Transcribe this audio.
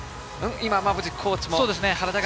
今、馬淵コーチも体が。